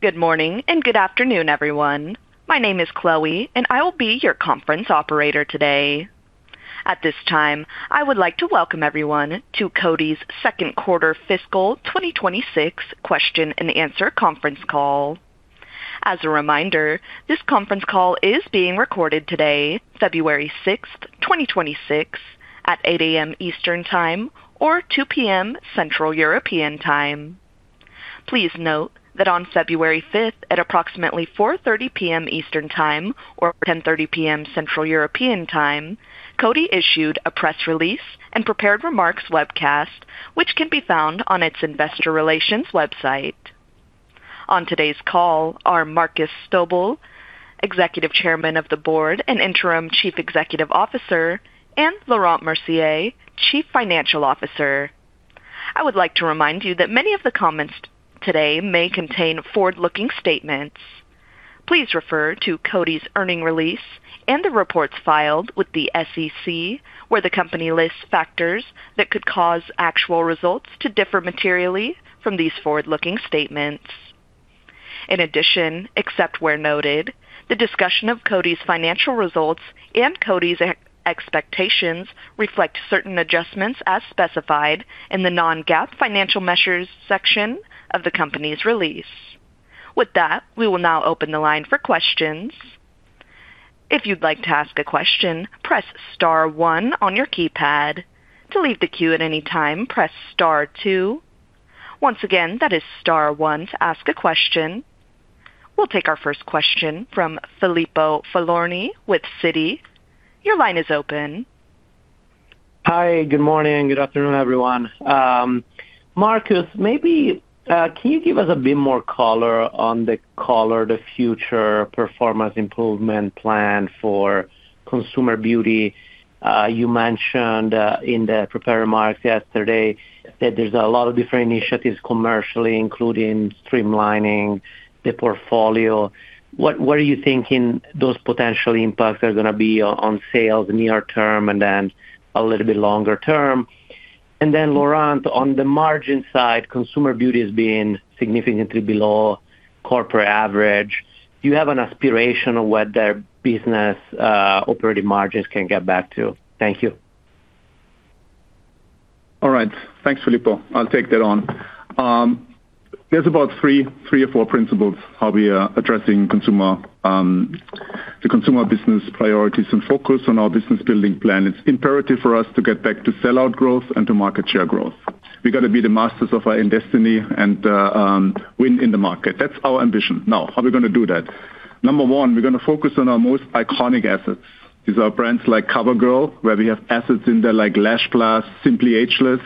Good morning, and good afternoon, everyone. My name is Chloe, and I will be your conference operator today. At this time, I would like to welcome everyone to Coty's second quarter fiscal 2026 question and answer conference call. As a reminder, this conference call is being recorded today, February 6, 2026, at 8:00 A.M. Eastern Time or 2:00 P.M. Central European Time. Please note that on February 5, at approximately 4:30 P.M. Eastern Time, or 10:30 P.M. Central European Time, Coty issued a press release and prepared remarks webcast, which can be found on its investor relations website. On today's call are Markus Strobel, Executive Chairman of the Board and Interim Chief Executive Officer, and Laurent Mercier, Chief Financial Officer. I would like to remind you that many of the comments today may contain forward-looking statements. Please refer to Coty's earnings release and the reports filed with the SEC, where the company lists factors that could cause actual results to differ materially from these forward-looking statements. In addition, except where noted, the discussion of Coty's financial results and Coty's expectations reflect certain adjustments as specified in the non-GAAP financial measures section of the company's release. With that, we will now open the line for questions. If you'd like to ask a question, press star one on your keypad. To leave the queue at any time, press star two. Once again, that is star one to ask a question. We'll take our first question from Filippo Falorni with Citi. Your line is open. Hi, good morning. Good afternoon, everyone. Markus, maybe can you give us a bit more color on the future performance improvement plan for Consumer Beauty? You mentioned in the prepared remarks yesterday that there's a lot of different initiatives commercially, including streamlining the portfolio. What are you thinking those potential impacts are gonna be on sales near term and then a little bit longer term? And then, Laurent, on the margin side, Consumer Beauty is being significantly below corporate average. Do you have an aspiration of what their business operating margins can get back to? Thank you. All right. Thanks, Filippo. I'll take that on. There's about three, three or four principles how we are addressing Consumer, the Consumer business priorities and focus on our business building plan. It's imperative for us to get back to sell-out growth and to market share growth. We've got to be the masters of our own destiny and, win in the market. That's our ambition. Now, how are we gonna do that? Number one, we're gonna focus on our most iconic assets. These are brands like COVERGIRL, where we have assets in there like Lash Blast, Simply Ageless,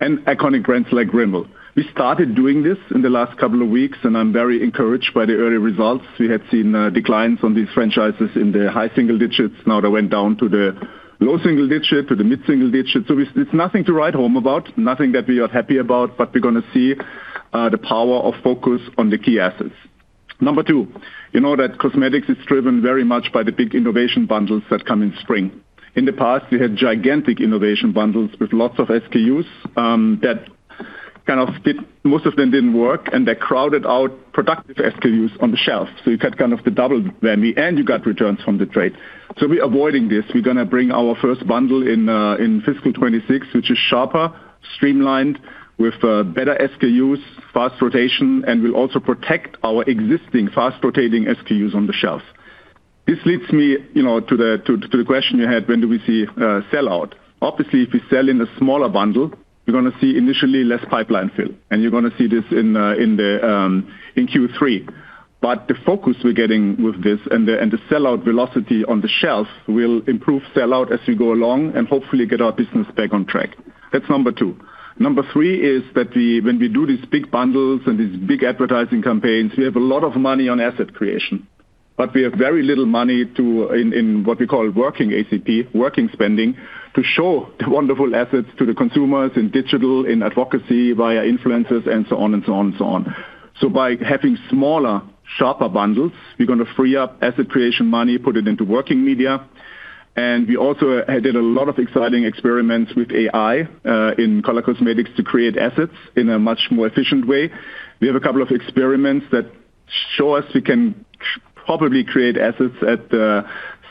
and iconic brands like Rimmel. We started doing this in the last couple of weeks, and I'm very encouraged by the early results. We had seen, declines on these franchises in the high single digits. Now, they went down to the low single digits, to the mid-single digits. So it's nothing to write home about, nothing that we are happy about, but we're gonna see the power of focus on the key assets. Number two, you know that cosmetics is driven very much by the big innovation bundles that come in spring. In the past, we had gigantic innovation bundles with lots of SKUs, most of them didn't work, and they crowded out productive SKUs on the shelf. So, you got kind of the double whammy, and you got returns from the trade. So, we're avoiding this. We're gonna bring our first bundle in in fiscal 2026, which is sharper, streamlined, with better SKUs, fast rotation, and we also protect our existing fast-rotating SKUs on the shelf. This leads me, you know, to the question you had, when do we see sell out? Obviously, if we sell in a smaller bundle, you're gonna see initially less pipeline fill, and you're gonna see this in Q3. But the focus we're getting with this and the sell-out velocity on the shelf will improve sell out as we go along and hopefully get our business back on track. That's number two. Number three is that we, when we do these big bundles and these big advertising campaigns, we have a lot of money on asset creation, but we have very little money in what we call working A&CP, working spending, to show the wonderful assets to the Consumers in digital, in advocacy, via influencers, and so on and so on and so on. So by having smaller, sharper bundles, we're gonna free up asset creation money, put it into working media. And we also did a lot of exciting experiments with AI in color cosmetics to create assets in a much more efficient way. We have a couple of experiments that show us we can probably create assets at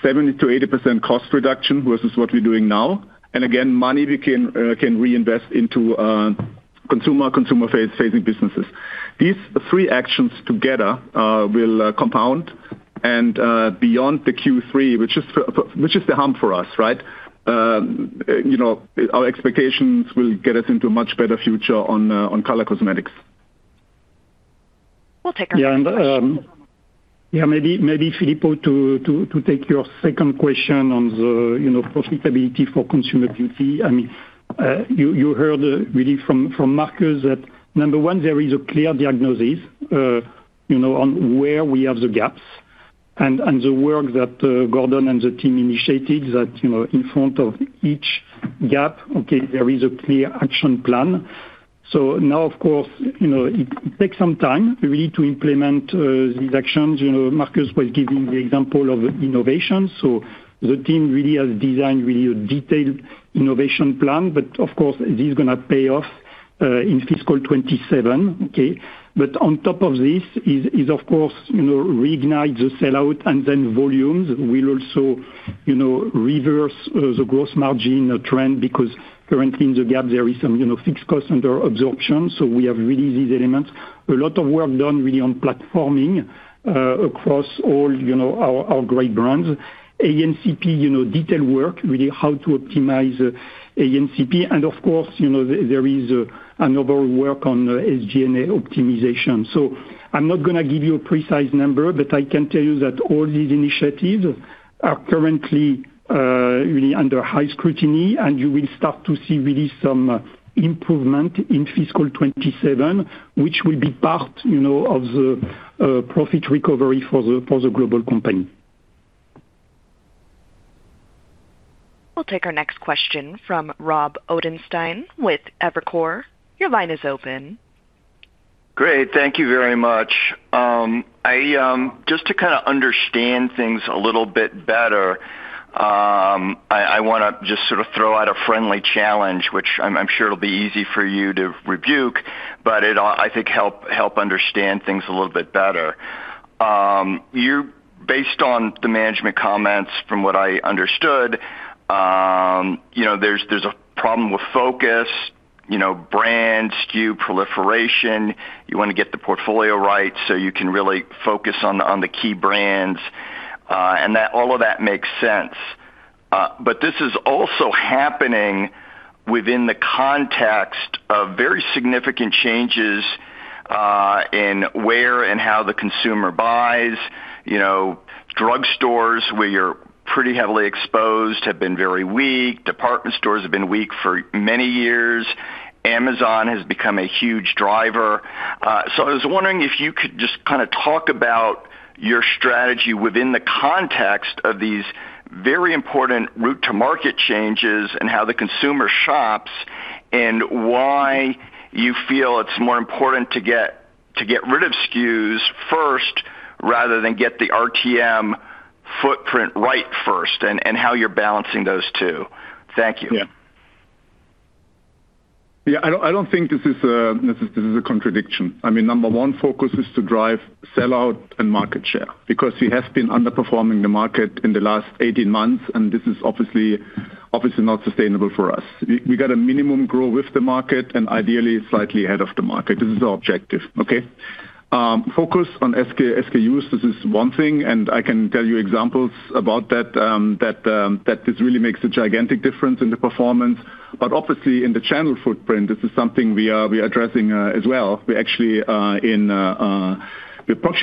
70%-80% cost reduction versus what we're doing now. And again, money we can can reinvest into Consumer Consumer-facing businesses. These three actions together will compound and beyond the Q3, which is which is the hump for us, right? You know, our expectations will get us into a much better future on on color cosmetics. We'll take our- Yeah, and yeah, maybe Filippo, to take your second question on the, you know, profitability for Consumer Beauty. I mean, you heard really from Markus that, number one, there is a clear diagnosis, you know, on where we have the gaps and the work that Gordon and the team initiated, that, you know, in front of each gap, okay, there is a clear action plan. So now, of course, you know, it takes some time really to implement these actions. You know, Markus was giving the example of innovation, so the team really has designed really a detailed innovation plan. But of course, this is gonna pay off in fiscal 2027, okay? But on top of this is of course, you know, reignite the sellout, and then volumes will also, you know, reverse the gross margin trend, because currently in the gap, there is some, you know, fixed cost under absorption. So, we have really these elements. A lot of work done really on platforming across all, you know, our great brands. A&CP, you know, detail work, really how to optimize A&CP, and of course, you know, there is another work on SG&A optimization. So, I'm not going to give you a precise number, but I can tell you that all these initiatives are currently really under high scrutiny, and you will start to see really some improvement in fiscal 2027, which will be part, you know, of the profit recovery for the global company. We'll take our next question from Rob Ottenstein with Evercore. Your line is open. Great. Thank you very much. Just to kind of understand things a little bit better, I want to just sort of throw out a friendly challenge, which I'm sure it'll be easy for you to rebuke, but it'll, I think, help understand things a little bit better. You, based on the management comments, from what I understood, you know, there's a problem with focus, you know, brand, SKU proliferation. You want to get the portfolio right, so you can really focus on the key brands, and that all of that makes sense. But this is also happening within the context of very significant changes in where and how the Consumer buys. You know, drugstores, where you're pretty heavily exposed, have been very weak. Department stores have been weak for many years. Amazon has become a huge driver. So, I was wondering if you could just kinda talk about your strategy within the context of these very important route to market changes and how the Consumer shops, and why you feel it's more important to get rid of SKUs first, rather than get the RTM footprint right first, and how you're balancing those two? Thank you. Yeah. Yeah, I don't think this is a contradiction. I mean, number one focus is to drive sell-out and market share, because we have been underperforming the market in the last 18 months, and this is obviously not sustainable for us. We got a minimum grow with the market and ideally, slightly ahead of the market. This is our objective, okay? Focus on SKUs, this is one thing, and I can tell you examples about that, that this really makes a gigantic difference in the performance. But obviously in the channel footprint, this is something we are addressing as well. We're actually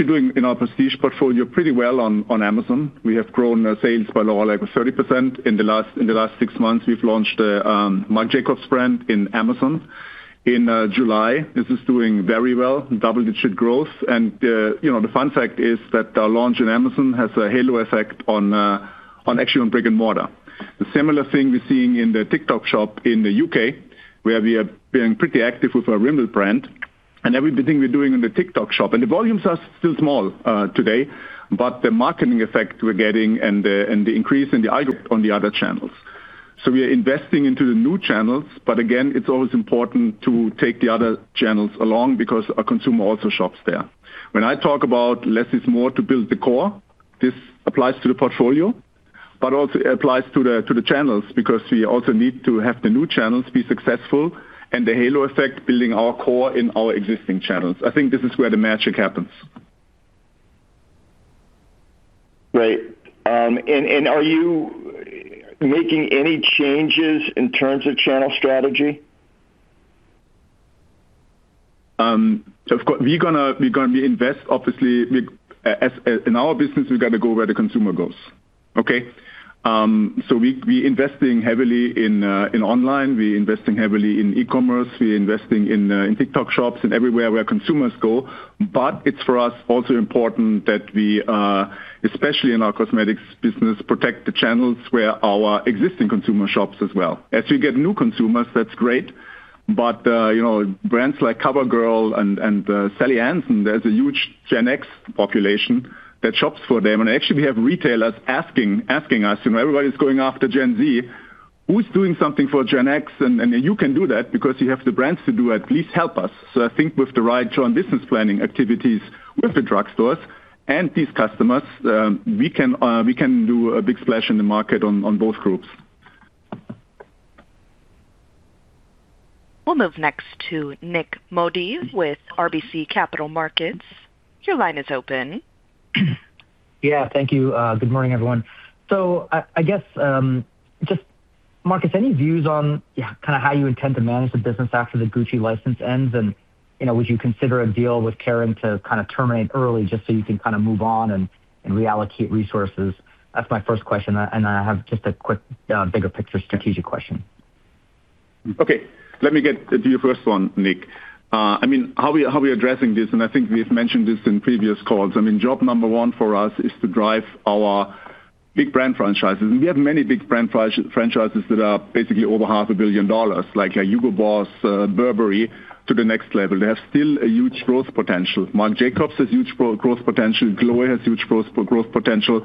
doing in our Prestige portfolio pretty well on Amazon. We have grown our sales by over 30%. In the last six months, we've launched a Marc Jacobs brand in Amazon in July. This is doing very well, double-digit growth. And you know, the fun fact is that the launch in Amazon has a halo effect on actual brick-and-mortar. The similar thing we're seeing in the TikTok Shop in the UK, where we are being pretty active with our Rimmel brand and everything we're doing in the TikTok Shop. And the volumes are still small today, but the marketing effect we're getting and the increase in the other channels. So, we are investing into the new channels, but again, it's always important to take the other channels along because our Consumer also shops there. When I talk about less is more to build the core, this applies to the portfolio, but also applies to the, to the channels, because we also need to have the new channels be successful and the halo effect, building our core in our existing channels. I think this is where the magic happens. Great. And are you making any changes in terms of channel strategy? Of course, we're gonna invest, obviously, as in our business, we've got to go where the Consumer goes, okay? So we're investing heavily in online. We're investing heavily in e-commerce. We're investing in TikTok shops and everywhere where Consumers go. But it's for us also important that we are, especially in our cosmetics business, protect the channels where our existing Consumer shops as well. As we get new Consumers, that's great, but you know, brands like COVERGIRL and Sally Hansen, there's a huge Gen X population that shops for them. And actually, we have retailers asking us, you know, everybody's going after Gen Z, "Who's doing something for Gen X? And you can do that because you have the brands to do, at least help us." So, I think with the right joint business planning activities with the drugstores and these customers, we can do a big splash in the market on both groups. We'll move next to Nik Modi with RBC Capital Markets. Your line is open. Yeah, thank you. Good morning, everyone. So, I guess, Markus, any views on, yeah, kind of how you intend to manage the business after the Gucci license ends? And, you know, would you consider a deal with Kering to kind of terminate early, just so you can kind of move on and reallocate resources? That's my first question, and I have just a quick, bigger picture, strategic question. Okay, let me get to your first one, Nick. I mean, how we are addressing this, and I think we've mentioned this in previous calls. I mean, job number one for us is to drive our big brand franchises. We have many big brand franchises that are basically over $500 million, like Hugo Boss, Burberry... to the next level. They have still a huge growth potential. Marc Jacobs has huge growth potential. Chloé has huge growth potential.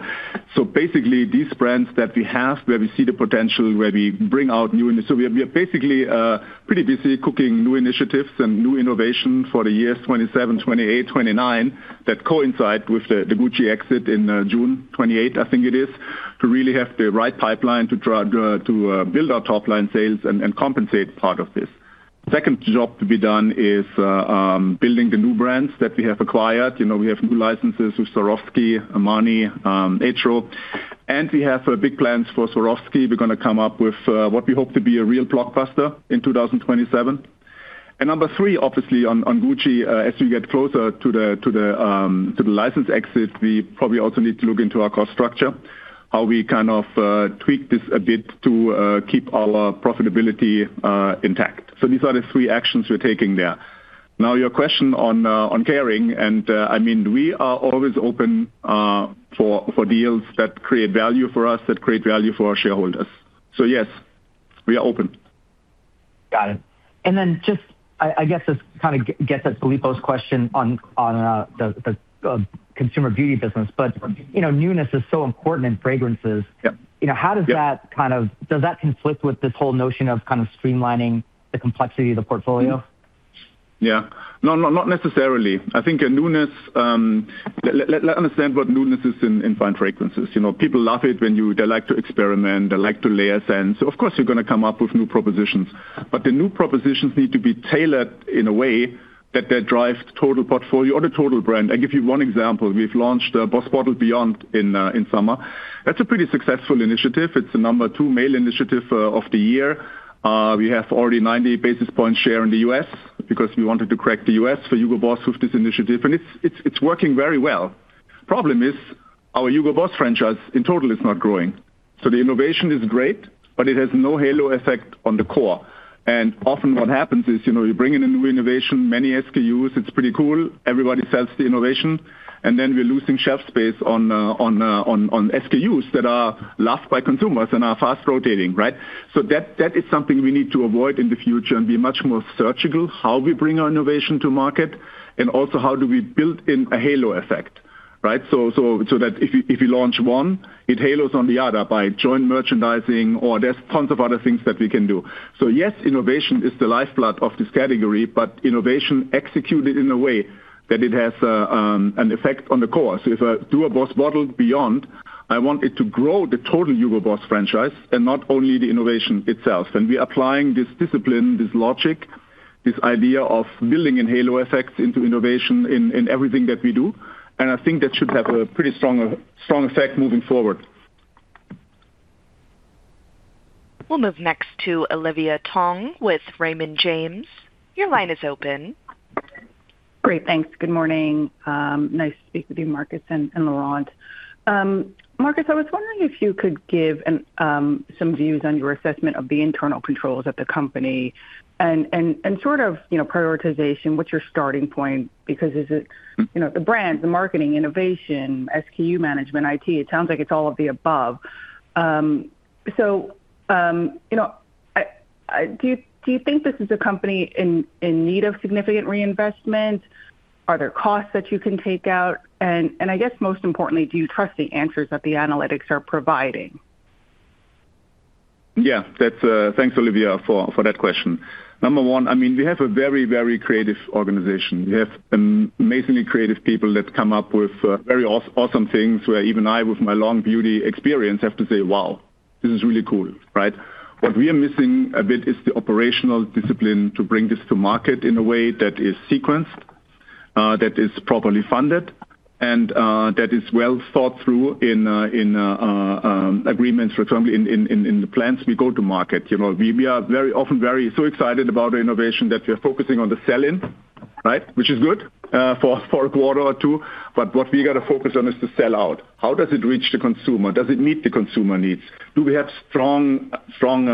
So basically, these brands that we have, where we see the potential, where we bring out new initiatives. So, we are basically pretty busy cooking new initiatives and new innovation for the years 2027, 2028, 2029, that coincide with the Gucci exit in June 2028, I think it is, to really have the right pipeline to try to build our top line sales and compensate part of this. Second job to be done is building the new brands that we have acquired. You know, we have new licenses with Swarovski, Armani, Etro, and we have big plans for Swarovski. We're going to come up with what we hope to be a real blockbuster in 2027. And number three, obviously on Gucci, as we get closer to the license exit, we probably also need to look into our cost structure, how we kind of tweak this a bit to keep our profitability intact. So, these are the three actions we're taking there. Now, your question on Kering, and I mean, we are always open for deals that create value for us, that create value for our shareholders. So yes, we are open. Got it. And then, I guess this kind of gets at Filippo's question on the Consumer Beauty business, but you know, newness is so important in fragrances. Yep. You know, how does that- Yep. Does that conflict with this whole notion of kind of streamlining the complexity of the portfolio? Yeah. No, no, not necessarily. I think a newness, let's understand what newness is in fine fragrances. You know, people love it when you. They like to experiment, they like to layer scents. So of course, we're going to come up with new propositions. But the new propositions need to be tailored in a way that they drive total portfolio or the total brand. I give you one example: We've launched BOSS Bottled Beyond in summer. That's a pretty successful initiative. It's the number 2 male initiative of the year. We have already 90 basis point share in the U.S. because we wanted to crack the U.S. for Hugo Boss with this initiative, and it's working very well. Problem is, our Hugo Boss franchise in total is not growing. So, the innovation is great, but it has no halo effect on the core. And often what happens is, you know, you bring in a new innovation, many SKUs, it's pretty cool. Everybody sells the innovation, and then we're losing shelf space on SKUs that are loved by Consumers and are fast rotating, right? So, that is something we need to avoid in the future and be much more surgical, how we bring our innovation to market, and also how do we build in a halo effect, right? So, that if you launch one, its halos on the other by joint merchandising, or there's tons of other things that we can do. So yes, innovation is the lifeblood of this category, but innovation executed in a way that it has a, an effect on the core. If I do a BOSS Bottled Beyond, I want it to grow the total Hugo Boss franchise and not only the innovation itself. We are applying this discipline, this logic, this idea of building in halo effects into innovation in everything that we do, and I think that should have a pretty strong effect moving forward. We'll move next to Olivia Tong with Raymond James. Your line is open. Great, thanks. Good morning. Nice to speak with you, Markus and Laurent. Markus, I was wondering if you could give some views on your assessment of the internal controls at the company and sort of, you know, prioritization, what's your starting point? Because is it, you know, the brand, the marketing, innovation, SKU management, IT? It sounds like it's all of the above. So, you know, do you think this is a company in need of significant reinvestment? Are there costs that you can take out? And I guess most importantly, do you trust the answers that the analytics are providing? Yeah, that's... Thanks, Olivia, for that question. Number one, I mean, we have a very, very creative organization. We have amazingly creative people that come up with very awesome things, where even I, with my long beauty experience, have to say, "Wow, this is really cool," right? What we are missing a bit is the operational discipline to bring this to market in a way that is sequenced, that is properly funded, and that is well thought through in agreements, for example, in the plans we go to market. You know, we are very often very so excited about the innovation that we are focusing on the sell-in, right? Which is good for a quarter or two, but what we got to focus on is the sell-out. How does it reach the Consumer? Does it meet the Consumer needs? Do we have strong, strong,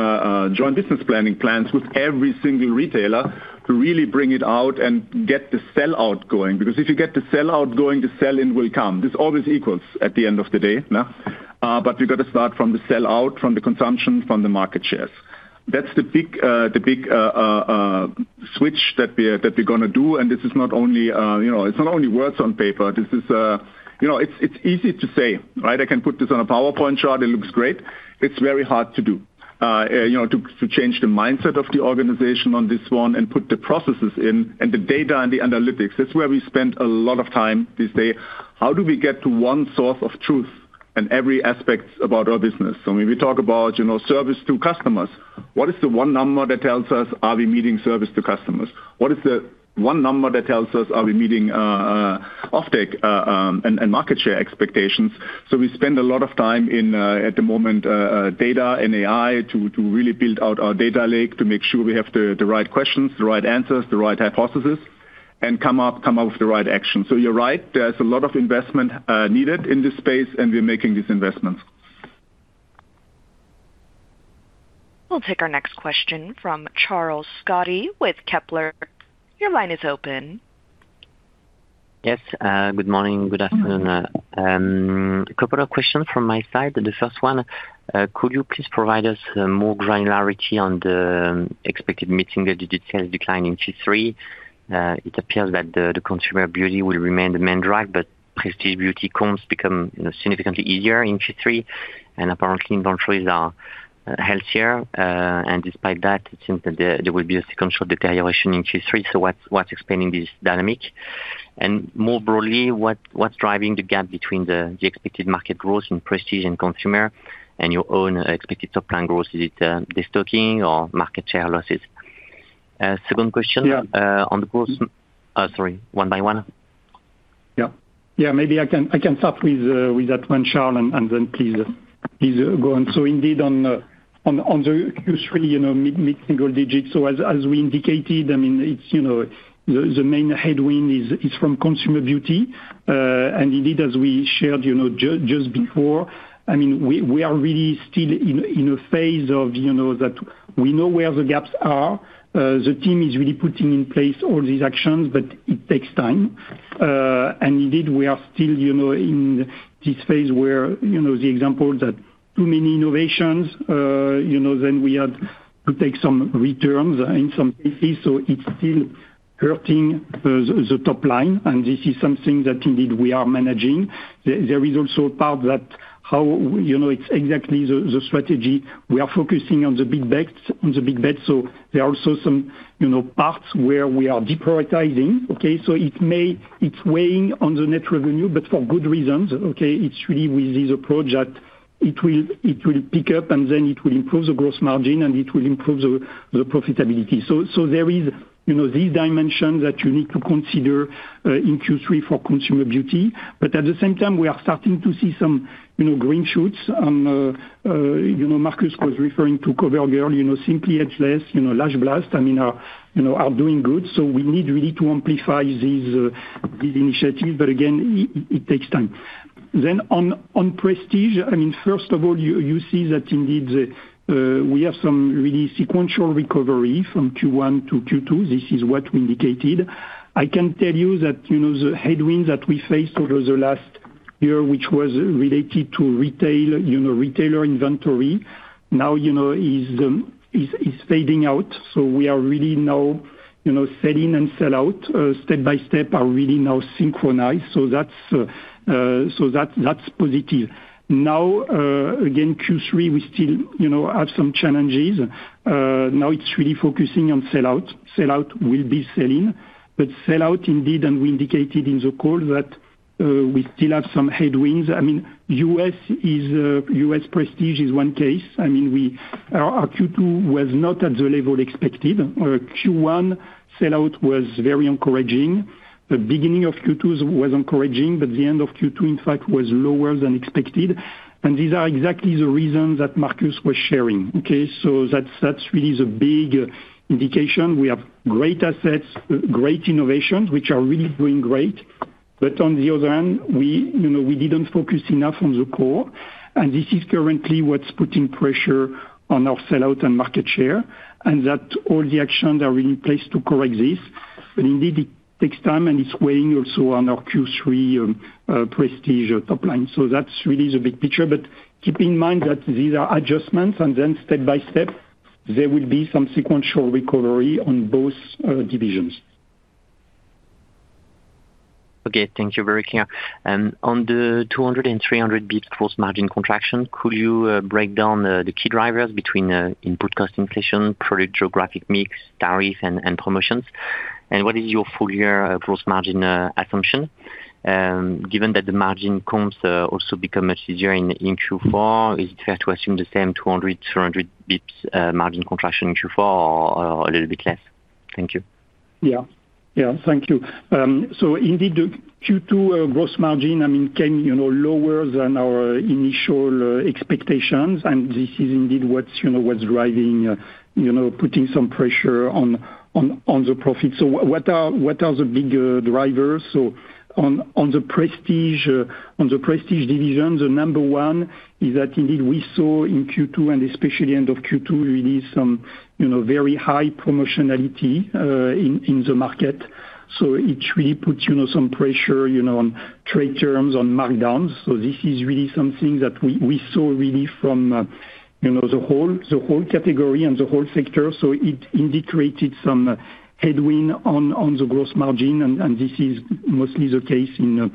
joint business planning plans with every single retailer to really bring it out and get the sell-out going? Because if you get the sell-out going, the sell-in will come. This always equals at the end of the day, nah. But you got to start from the sell-out, from the consumption, from the market shares. That's the big switch that we're gonna do, and this is not only, you know, it's not only words on paper. This is... You know, it's easy to say, right? I can put this on a PowerPoint chart, it looks great. It's very hard to do, you know, to change the mindset of the organization on this one and put the processes in and the data and the analytics. That's where we spend a lot of time this day. How do we get to one source of truth in every aspect about our business? So, when we talk about, you know, service to customers, what is the one number that tells us, are we meeting service to customers? What is the one number that tells us, are we meeting offtake and market share expectations? So, we spend a lot of time in at the moment data and AI to really build out our data lake, to make sure we have the right questions, the right answers, the right hypothesis, and come up with the right action. So you're right, there's a lot of investment needed in this space, and we're making these investments. We'll take our next question from Charles-Louis Scotti with Kepler Cheuvreux. Your line is open. ...Yes, good morning, good afternoon. A couple of questions from my side. The first one, could you please provide us, more granularity on the expected mid-single digit sales decline in Q3? It appears that the Consumer Beauty will remain the main drive, but Prestige beauty comps become, you know, significantly easier in Q3, and apparently inventories are healthier. And despite that, it seems that there will be a sequential deterioration in Q3. So, what's explaining this dynamic? And more broadly, what's driving the gap between the expected market growth in Prestige and Consumer, and your own expected top line growth, is it destocking or market share losses? Second question- Yeah. Sorry, one by one. Yeah. Yeah, maybe I can, I can start with that one, Charles, and then please, please go on. So indeed, on the Q3, you know, mid-single digits. So as we indicated, I mean, it's, you know, the main headwind is from Consumer Beauty. And indeed, as we shared, you know, just before, I mean, we are really still in a phase of, you know, that we know where the gaps are. The team is really putting in place all these actions, but it takes time. And indeed, we are still, you know, in this phase where, you know, the example that too many innovations, you know, then we had to take some returns in some cases, so it's still hurting the, the top line, and this is something that indeed we are managing. There, there is also a part that how, you know, it's exactly the, the strategy. We are focusing on the big bets, on the big bets, so there are also some, you know, parts where we are deprioritizing, okay? So it may—it's weighing on the net revenue, but for good reasons, okay? It's really with this approach that it will, it will pick up, and then it will improve the gross margin, and it will improve the, the profitability. So, so there is, you know, this dimension that you need to consider in Q3 for Consumer Beauty. But at the same time, we are starting to see some, you know, green shoots. You know, Markus was referring to COVERGIRL, you know, Simply Ageless, you know, Lash Blast, I mean, are doing good, so we need really to amplify these initiatives, but again, it takes time. Then on Prestige, I mean, first of all, you see that indeed, we have some really sequential recovery from Q1 to Q2. This is what we indicated. I can tell you that, you know, the headwinds that we faced over the last year, which was related to retail, you know, retailer inventory, now is fading out. So we are really now, you know, sell in and sell out step by step are really now synchronized, so that's positive. Now, again, Q3, we still, you know, have some challenges. Now it's really focusing on sell-out. Sell-out will be sell-in, but sell-out indeed, and we indicated in the call that we still have some headwinds. I mean, U.S. is, U.S. Prestige is one case. I mean, our Q2 was not at the level expected. Q1 sellout was very encouraging. The beginning of Q2 was encouraging, but the end of Q2, in fact, was lower than expected. And these are exactly the reasons that Markus was sharing, okay? So that's really the big indication. We have great assets, great innovations, which are really doing great. But on the other hand, we, you know, we didn't focus enough on the core, and this is currently what's putting pressure on our sellout and market share, and that all the actions are in place to correct this. But indeed, it takes time, and it's weighing also on our Q3, Prestige or top line. So that's really the big picture, but keep in mind that these are adjustments, and then step by step, there will be some sequential recovery on both, divisions. Okay. Thank you. Very clear. On the 200-300 basis points gross margin contraction, could you break down the key drivers between input cost inflation, product geographic mix, tariff and promotions? And what is your full year gross margin assumption, given that the margin comps also become much easier in Q4, is it fair to assume the same 200-300 basis points margin contraction in Q4, or a little bit less? Thank you. Yeah. Yeah, thank you. So indeed, the Q2 gross margin, I mean, came, you know, lower than our initial expectations, and this is indeed what's, you know, what's driving, you know, putting some pressure on the profits. So, what are the big drivers? So, on the Prestige division, the number one is that indeed we saw in Q2 and especially end of Q2, really some, you know, very high promotionality in the market. So, it really puts, you know, some pressure, you know, on trade terms, on markdowns. So, this is really something that we saw really from, you know, the whole category and the whole sector. So, it indicated some headwind on the gross margin, and this is mostly the case in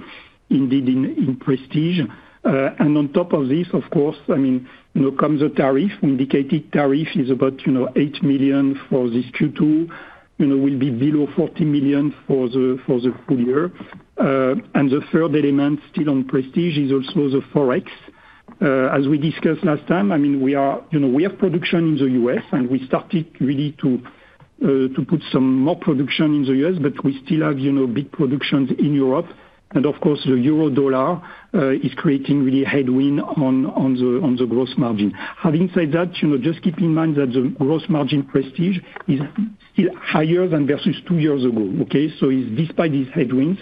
indeed in Prestige. And on top of this, of course, I mean, you know, comes the tariff. We indicated tariff is about, you know, $8 million for this Q2, you know, will be below $40 million for the, for the full year. And the third element, still on Prestige, is also the Forex. As we discussed last time, I mean, we are, you know, we have production in the U.S., and we started really to, to put some more production in the U.S., but we still have, you know, big productions in Europe. And of course, the euro dollar is creating really headwind on, on the, on the gross margin. Having said that, you know, just keep in mind that the gross margin Prestige is still higher than versus two years ago, okay? So, despite these headwinds,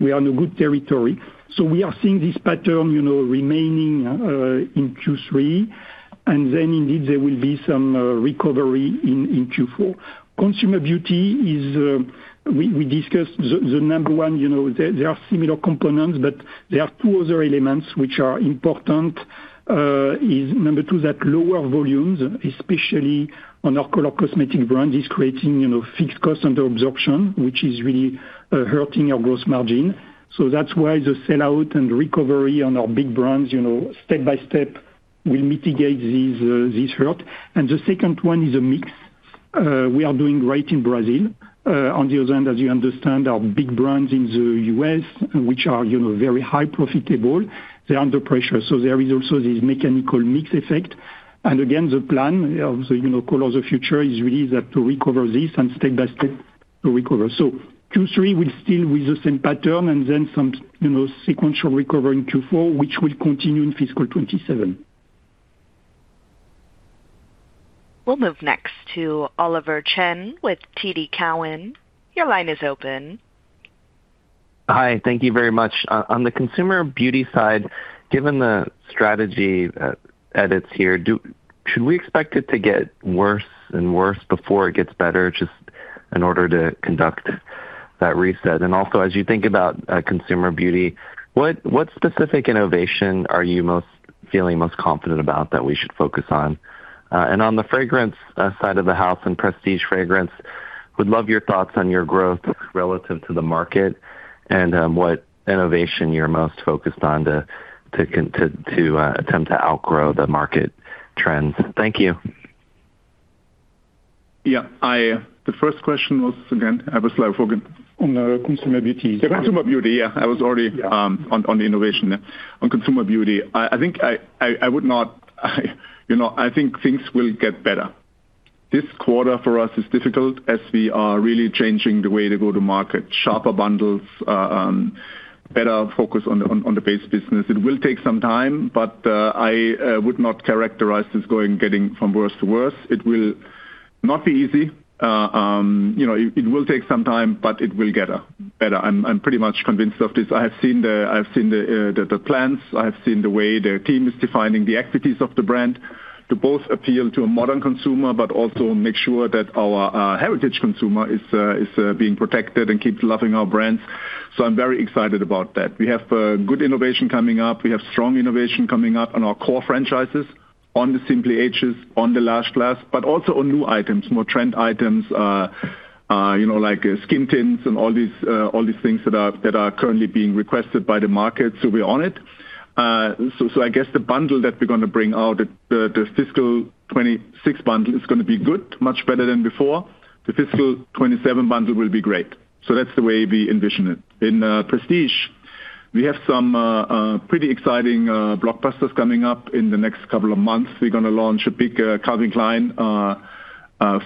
we are in a good territory. So, we are seeing this pattern, you know, remaining in Q3. And then indeed there will be some recovery in Q4. Consumer Beauty is we discussed the number one, you know, there are similar components, but there are two other elements which are important. Is number two, that lower volumes, especially on our color cosmetic brand, is creating, you know, fixed cost under absorption, which is really hurting our gross margin. So, that's why the sell-out and recovery on our big brands, you know, step by step will mitigate these this hurt. And the second one is a mix. We are doing great in Brazil. On the other hand, as you understand, our big brands in the U.S., which are, you know, very high profitable, they're under pressure. So, there is also this mechanical mix effect. Again, the plan of the, you know, Colors of the Future is really that to recover this and step-by-step to recover. So Q3 will still with the same pattern and then some, you know, sequential recovery in Q4, which will continue in Fiscal 2027. We'll move next to Oliver Chen with TD Cowen. Your line is open. Hi, thank you very much. On the Consumer Beauty side, given the strategy edits here, should we expect it to get worse and worse before it gets better, just in order to conduct that reset? And also, as you think about Consumer Beauty, what specific innovation are you most feeling most confident about that we should focus on? And on the fragrance side of the house and Prestige fragrance, would love your thoughts on your growth relative to the market, and what innovation you're most focused on to attempt to outgrow the market trends. Thank you. Yeah, the first question was, again? I was slow, forget. On the Consumer Beauty. Consumer Beauty, yeah. I was already- Yeah. On the innovation. On Consumer Beauty, I think I would not, you know, I think things will get better. This quarter for us is difficult as we are really changing the way to go to market. Sharper bundles, better focus on the base business. It will take some time, but I would not characterize this going, getting from worse to worse. It will not be easy. You know, it will take some time, but it will get better. I'm pretty much convinced of this. I have seen the plans. I have seen the way the team is defining the equities of the brand to both appeal to a modern Consumer but also make sure that our heritage Consumer is being protected and keeps loving our brands. So, I'm very excited about that. We have good innovation coming up. We have strong innovation coming up on our core franchises, on the Simply Ageless, on the Lash Blast, but also on new items, more trend items, you know, like skin tints and all these things that are currently being requested by the market. So we're on it. So, I guess the bundle that we're gonna bring out, the Fiscal 2026 bundle is gonna be good, much better than before. The Fiscal 2027 bundle will be great. So that's the way we envision it. In Prestige, we have some pretty exciting blockbusters coming up in the next couple of months. We're gonna launch a big Calvin Klein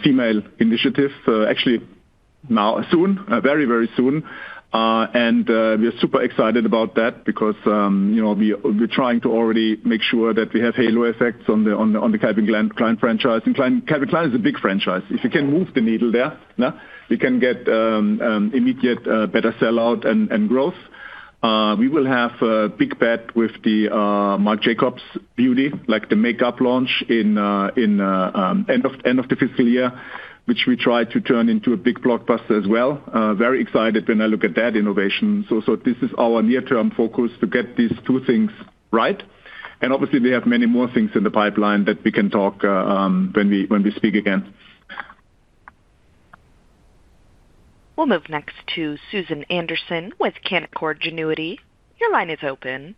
female initiative, actually now, soon, very, very soon. And we are super excited about that because, you know, we're trying to already make sure that we have halo effects on the Calvin Klein franchise, and Calvin Klein is a big franchise. If you can move the needle there, yeah, we can get immediate better sell-out and growth. We will have a big bet with the Marc Jacobs Beauty, like the makeup launch in end of the fiscal year, which we try to turn into a big blockbuster as well. Very excited when I look at that innovation. So, this is our near-term focus to get these two things right. And obviously, we have many more things in the pipeline that we can talk when we speak again. We'll move next to Susan Anderson with Canaccord Genuity. Your line is open.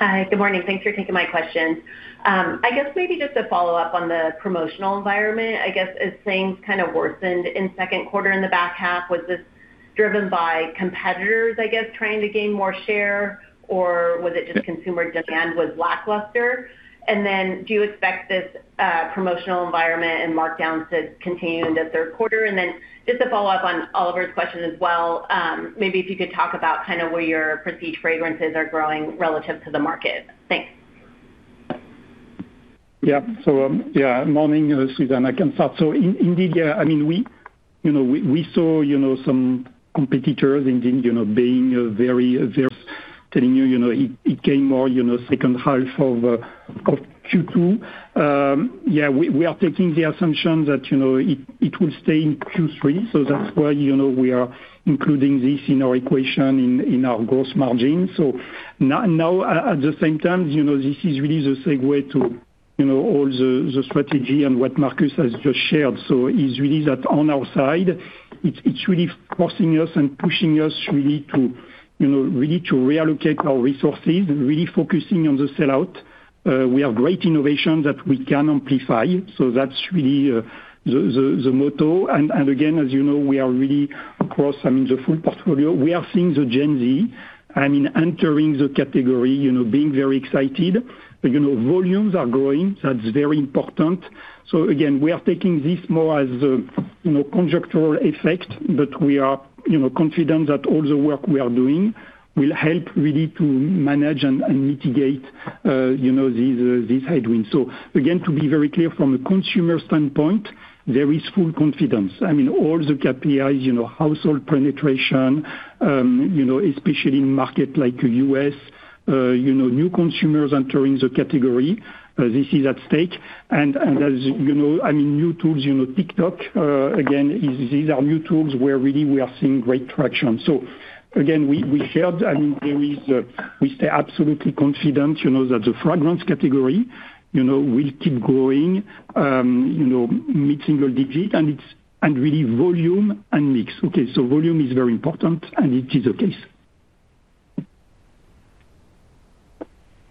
Hi, good morning. Thanks for taking my questions. I guess maybe just to follow up on the promotional environment, I guess, as things kind of worsened in second quarter in the back half, was this driven by competitors, I guess, trying to gain more share, or was it just Consumer demand was lackluster? And then do you expect this promotional environment and markdowns to continue into third quarter? And then just to follow up on Oliver's question as well, maybe if you could talk about kind of where your Prestige fragrances are growing relative to the market. Thanks. Yeah. So, yeah, morning, Susan. I can start. So indeed, yeah, I mean, we, you know, we, we saw, you know, some competitors indeed, you know, being very, very telling, you know, it, it came more, you know, second half of of Q2. Yeah, we, we are taking the assumption that, you know, it, it will stay in Q3, so that's why, you know, we are including this in our equation in, in our gross margin. So now, now, at the same time, you know, this is really the segue to, you know, all the, the strategy and what Markus has just shared. So is really that on our side, it's, it's really forcing us and pushing us really to, you know, really to reallocate our resources and really focusing on the sellout. We have great innovation that we can amplify, so that's really the motto. And again, as you know, we are really across, I mean, the full portfolio. We are seeing the Gen Z, I mean, entering the category, you know, being very excited. You know, volumes are growing, that's very important. So again, we are taking this more as a, you know, halo effect, but we are, you know, confident that all the work we are doing will help really to manage and mitigate, you know, these headwinds. So again, to be very clear from a Consumer standpoint— There is full confidence. I mean, all the KPIs, you know, household penetration, you know, especially in market like U.S., you know, new Consumers entering the category, this is at stake. As you know, I mean, new tools, you know, TikTok, again, these are new tools where really we are seeing great traction. So again, we shared, I mean, there is, we stay absolutely confident, you know, that the fragrance category, you know, will keep growing, mid-single-digit, and it's—and really volume and mix. Okay, so volume is very important, and it is the case.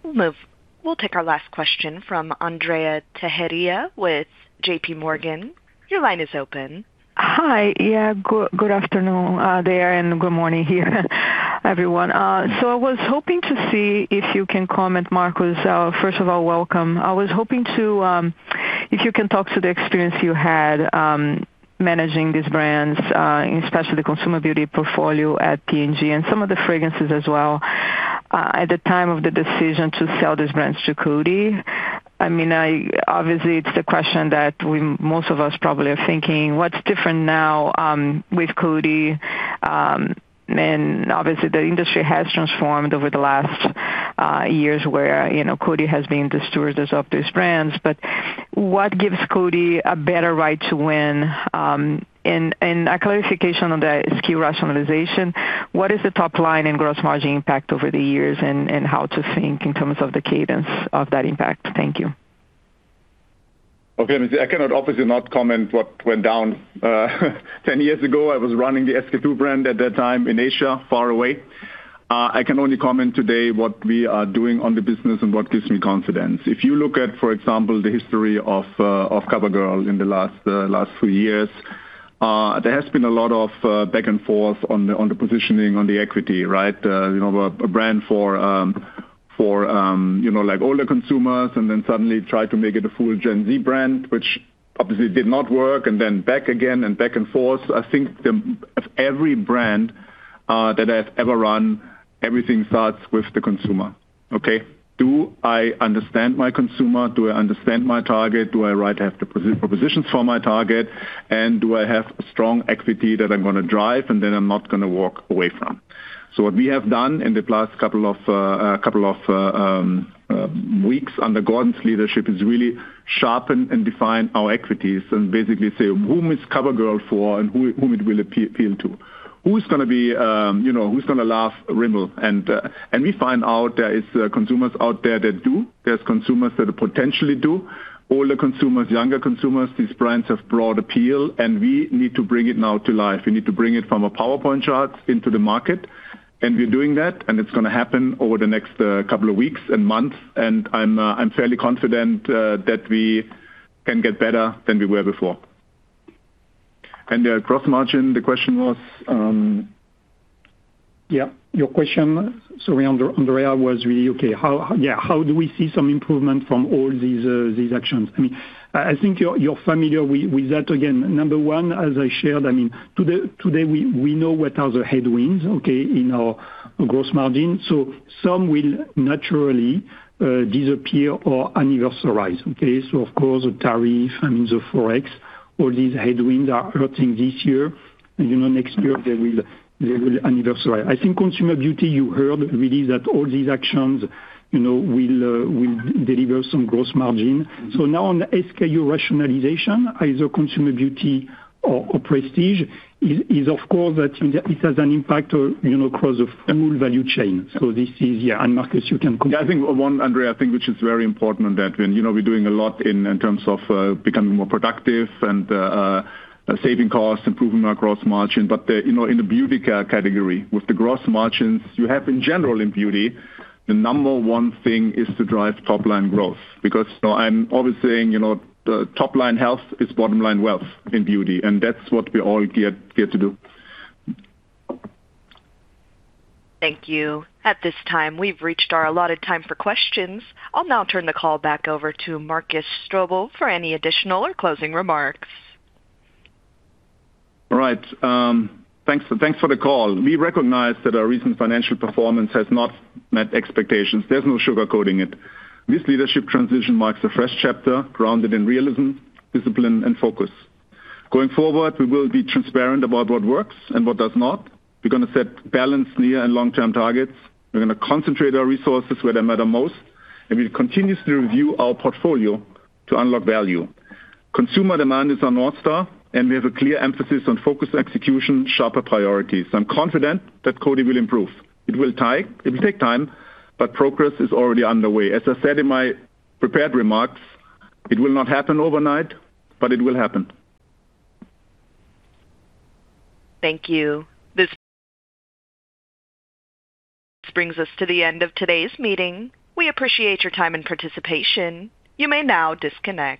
We'll move. We'll take our last question from Andrea Teixeira with J.P. Morgan. Your line is open. Hi. Yeah, good, good afternoon there, and good morning here, everyone. So, I was hoping to see if you can comment, Markus. First of all, welcome. I was hoping to, if you can talk to the experience you had, managing these brands, especially the Consumer Beauty portfolio at P&G, and some of the fragrances as well, at the time of the decision to sell these brands to Coty. I mean, obviously, it's the question that we, most of us probably are thinking, what's different now, with Coty? And obviously, the industry has transformed over the last years, where, you know, Coty has been the steward of these brands. But what gives Coty a better right to win? And a clarification on the SKU rationalization, what is the top line in gross margin impact over the years, and how to think in terms of the cadence of that impact? Thank you. Okay, I cannot obviously not comment what went down 10 years ago. I was running the SK-II brand at that time in Asia, far away. I can only comment today what we are doing on the business and what gives me confidence. If you look at, for example, the history of COVERGIRL in the last few years, there has been a lot of back and forth on the positioning, on the equity, right? You know, a brand for you know, like, older Consumers, and then suddenly tried to make it a full Gen Z brand, which obviously did not work, and then back again, and back and forth. I think of every brand that I've ever run, everything starts with the Consumer. Okay, do I understand my Consumer? Do I understand my target? Do I have the right propositions for my target? And do I have a strong equity that I'm gonna drive and that I'm not gonna walk away from? So, what we have done in the past couple of weeks, under Gordon's leadership, is really sharpen and define our equities and basically say: Whom is COVERGIRL for, and whom it will appeal to? Who's gonna be, you know, who's gonna love Rimmel? And we find out there is Consumers out there that do. There are Consumers that potentially do. Older Consumers, younger Consumers, these brands have broad appeal, and we need to bring it now to life. We need to bring it from a PowerPoint chart into the market, and we're doing that, and it's gonna happen over the next couple of weeks and months, and I'm I'm fairly confident that we can get better than we were before. And the gross margin, the question was, Yeah, your question, sorry, Andrea, was really okay. How, yeah, how do we see some improvement from all these, these actions? I mean, I think you're familiar with that. Again, number one, as I shared, I mean, today, we know what the headwinds are, okay, in our gross margin. So, some will naturally disappear or anniversarize, okay? So of course, the tariff, I mean, the Forex, all these headwinds are hurting this year, and you know, next year they will anniversarize. I think Consumer Beauty, you heard really that all these actions, you know, will, will deliver some gross margin. So now on the SKU rationalization, either Consumer Beauty or Prestige, is of course that it has an impact or, you know, across the full value chain. So, this is, yeah, and Markus, you can comment. Yeah, I think one, Andrea, I think, which is very important on that, when, you know, we're doing a lot in, in terms of, becoming more productive and saving costs, improving our gross margin. But the, you know, in the beauty care category, with the gross margins you have in general in beauty, the number one thing is to drive top line growth. Because, you know, I'm always saying, you know, the top line health is bottom line wealth in beauty, and that's what we all get to do. Thank you. At this time, we've reached our allotted time for questions. I'll now turn the call back over to Markus Strobel for any additional or closing remarks. All right, thanks, thanks for the call. We recognize that our recent financial performance has not met expectations. There's no sugarcoating it. This leadership transition marks a fresh chapter grounded in realism, discipline and focus. Going forward, we will be transparent about what works and what does not. We're gonna set balanced near and long-term targets. We're gonna concentrate our resources where they matter most, and we'll continuously review our portfolio to unlock value. Consumer demand is our North Star, and we have a clear emphasis on focused execution, sharper priorities. I'm confident that Coty will improve. It will take, it will take time, but progress is already underway. As I said in my prepared remarks, it will not happen overnight, but it will happen. Thank you. This brings us to the end of today's meeting. We appreciate your time and participation. You may now disconnect.